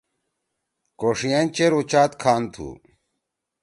کوݜئین چیر اُچات کھان تُھو۔